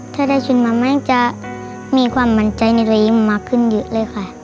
ถ้าได้ชุดมาแม่งจะมีความมั่นใจมากขึ้นอยู่เลยค่ะ